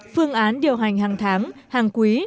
phương án điều hành hàng tháng hàng quý